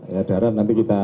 ya darat nanti kita